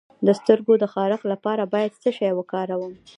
د سترګو د خارښ لپاره باید څه شی وکاروم؟